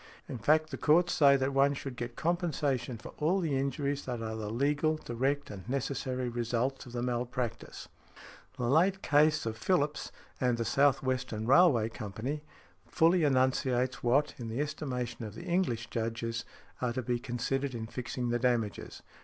In fact, the courts say, that one should get compensation for all the injuries that are the legal, direct, and necessary results of the malpractice . The late case of Phillips v. The South Western Railway Company fully enunciates what, in the estimation of the English Judges, are to be considered in fixing the damages.